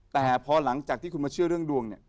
แต่พอหลังจากที่คุณมาเชื่อเรื่องดวงเนี่ย